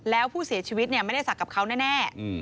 แล้วผู้เสียชีวิตไม่ได้ศักดิ์กับเขาแน่